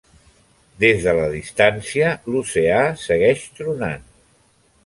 Des de la distància, l'oceà segueix tronant.